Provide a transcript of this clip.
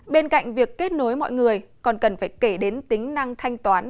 bên cạnh việc kết nối mọi người còn cần phải kể đến tính năng thanh toán